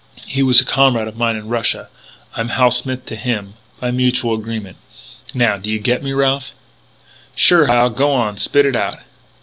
He was a comrade of mine in Russia. I'm Hal Smith to him, by mutual agreement. Now do you get me, Ralph?" "Sure, Hal. Go on; spit it out!"